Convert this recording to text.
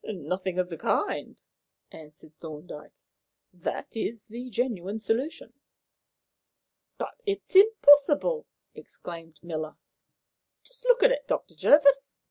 "Nothing of the kind," answered Thorndyke. "That is the genuine solution." "But it's impossible!" exclaimed Miller. "Just look at it, Dr. Jervis."